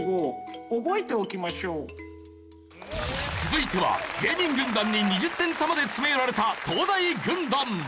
続いては芸人軍団に２０点差まで詰め寄られた東大軍団。